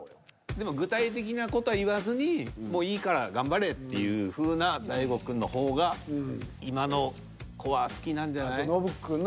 でも具体的な事は言わずにもういいから頑張れっていうふうな大悟くんの方が今の子は好きなんじゃない？